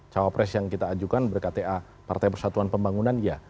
cawapres yang kita ajukan berkata partai persatuan pembangunan ya